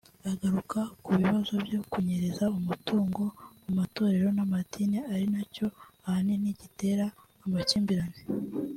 Agaruka ku bibazo byo kunyereza umutungo mu matorero n’amadini ari na cyo ahanini gitera amakimbirane